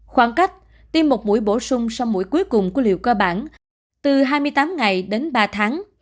khoảng cách tiêm một mũi bổ sung sau mũi cuối cùng của liều cơ bản từ hai mươi tám ngày đến ba tháng